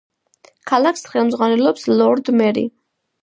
ქალაქს ხელმძღვანელობს ლორდ-მერი.